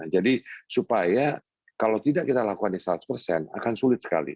jadi supaya kalau tidak kita lakukan di seratus persen akan sulit sekali